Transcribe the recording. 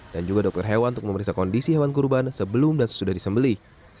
dan juga dokter hewan untuk memeriksa kondisi hewan kurban sebelum dan sesudah disembeli